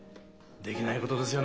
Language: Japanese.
できないことですよ